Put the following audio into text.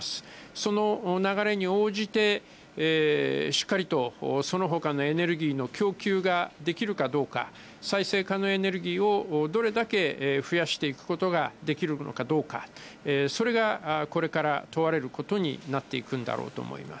その流れに応じて、しっかりと、そのほかのエネルギーの供給ができるかどうか、再生可能エネルギーをどれだけ増やしていくことができるのかどうか、それがこれから問われることになっていくんだろうと思います。